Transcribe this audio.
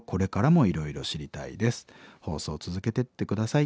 放送続けてって下さい。